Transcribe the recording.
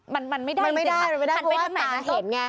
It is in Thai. มันไม่ได้จริงคันไปทั้งไหนมันเห็นไง